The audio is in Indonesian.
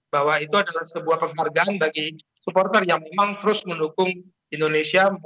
bahwa itu adalah sebuah penghargaan bagi supporter yang memang terus mendukung indonesia